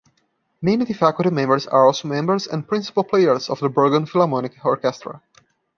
Many faculty members are also members and principal players of the Bergen Philharmonic Orchestra.